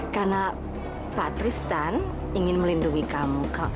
karena pak tristan ingin melindungi kamu